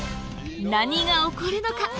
何が起こるのか